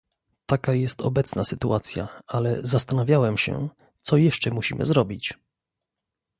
Taka jest obecna sytuacja, ale zastanawiałem się, co jeszcze musimy zrobić?